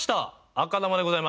赤球でございます。